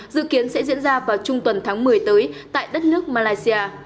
dự kiến sẽ diễn ra vào trung tuần tháng một mươi tới tại đất nước malaysia